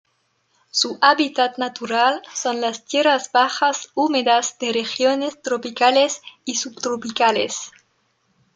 Su hábitat natural son las tierras bajas húmedas de regiones tropicales y subtropicales.